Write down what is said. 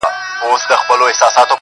په اُمید د مغفرت دي د کرم رحم مالِکه،